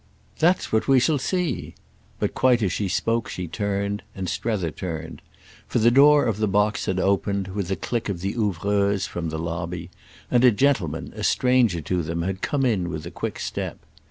"That's what we shall see!" But quite as she spoke she turned, and Strether turned; for the door of the box had opened, with the click of the ouvreuse, from the lobby, and a gentleman, a stranger to them, had come in with a quick step.